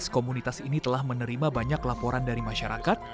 komunitas ini telah menerima banyak laporan dari masyarakat